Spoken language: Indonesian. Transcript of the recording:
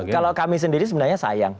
kalau kami sendiri sebenarnya sayang